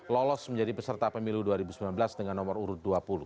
lolos menjadi peserta pemilu dua ribu sembilan belas dengan nomor urut dua puluh